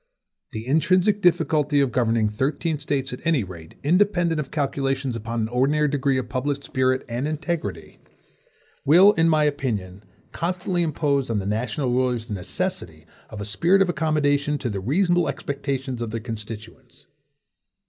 The intrinsic difficulty of governing THIRTEEN STATES at any rate, independent of calculations upon an ordinary degree of public spirit and integrity, will, in my opinion constantly impose on the national rulers the necessity of a spirit of accommodation to the reasonable expectations of their constituents.